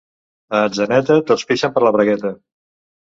A Atzeneta tots pixen per la bragueta.